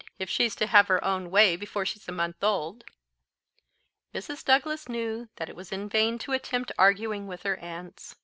if she's to have her own way before she's a month old." Mrs. Douglas knew that it was in vain to attempt arguing with her aunts.